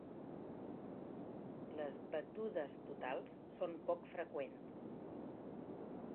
Les "batudes totals" són poc freqüents.